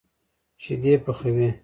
شيدې پخوي.